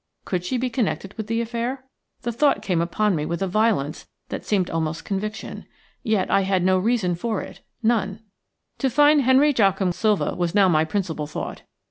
Could she be connected with the affair? The thought came upon me with a violence that seemed almost conviction. Yet I had no reason for it – none. To find Henry Joachim Silva was now my principal thought.